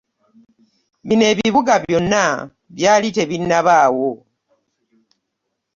Bino ebibuga byonna byali tebinnabaawo.